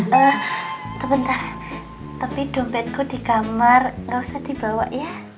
bentar bentar tapi dompetku di kamar nggak usah dibawa ya